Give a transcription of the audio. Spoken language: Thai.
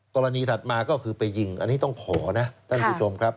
ถัดมาก็คือไปยิงอันนี้ต้องขอนะท่านผู้ชมครับ